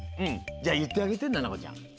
じゃあいってあげてななこちゃん。